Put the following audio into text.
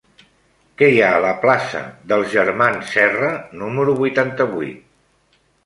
Què hi ha a la plaça dels Germans Serra número vuitanta-vuit?